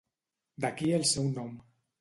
D'aquí el seu nom.